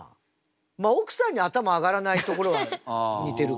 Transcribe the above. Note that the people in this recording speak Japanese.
まあ奥さんに頭上がらないところは似てるか。